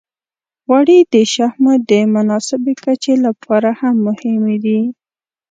غوړې د شحمو د مناسبې کچې لپاره هم مهمې دي.